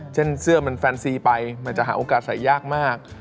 เช่นเสื้อมันแฟนซีไปมันจะหาโอกาสใส่ยากมาก